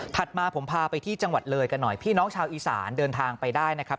มาผมพาไปที่จังหวัดเลยกันหน่อยพี่น้องชาวอีสานเดินทางไปได้นะครับ